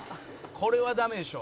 これはダメでしょ」